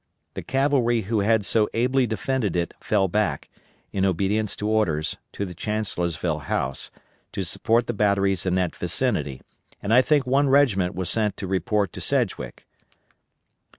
The cavalry who had so ably defended it fell back, in obedience to orders, to the Chancellorsville House, to support the batteries in that vicinity, and I think one regiment was sent to report to Sedgwick.